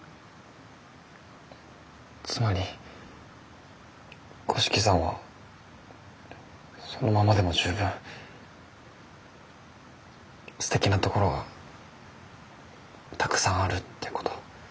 つまり五色さんはそのままでも十分すてきなところがたくさんあるってこと。